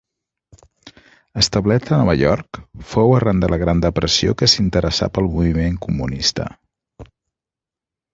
Establert a Nova York, fou arran de la Gran Depressió que s’interessà pel moviment comunista.